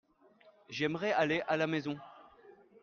J'aimerais aller à la maison.